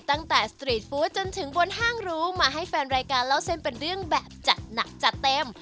ตั้งแต่สตรีทฟู้ดจนถึงบนห้างรู้มาให้แฟนรายการเล่าเส้นเป็นเรื่องแบบจัดหนักจัดเต็ม